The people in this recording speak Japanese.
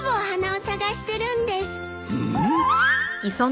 うん？